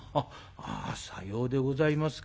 ああさようでございますか」。